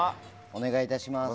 お願いいたします。